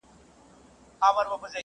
په کور کلي کي ماتم وو هنګامه وه.